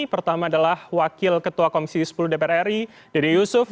pertama adalah wakil ketua komisi sepuluh dpr ri dede yusuf